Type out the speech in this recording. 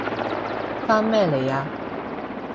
返咩嚟啊？